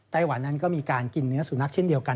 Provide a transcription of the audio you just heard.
วันนั้นก็มีการกินเนื้อสุนัขเช่นเดียวกัน